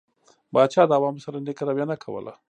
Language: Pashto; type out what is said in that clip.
پاچا د عوامو سره نيکه رويه نه کوله.